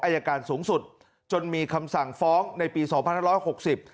อายการสูงสุดจนมีคำสั่งฟ้องในปีสองพันห้าร้อยหกสิบ